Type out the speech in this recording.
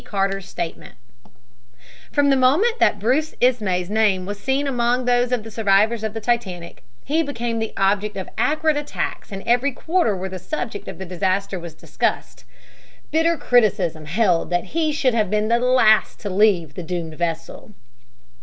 CARTER'S STATEMENT FROM the moment that Bruce Ismay's name was seen among those of the survivors of the Titanic he became the object of acrid attacks in every quarter where the subject of the disaster was discussed. Bitter criticism held that he should have been the last to leave the doomed vessel.